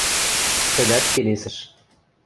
Тӹдӓт келесӹш.